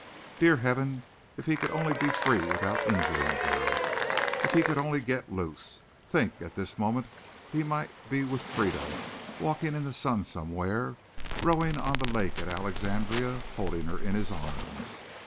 Dear Heaven! if he could only be free without injuring her. If he could only get loose. Think, at this moment he might be with Frieda walking in the sun somewhere, rowing on the lake at Alexandria, holding her in his arms.